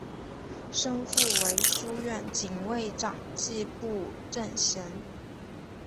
生父为书院警卫长迹部正贤。